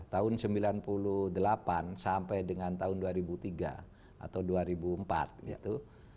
tahun sembilan puluh delapan sampai dengan tahun dua ribu tiga atau dua ribu empat gitu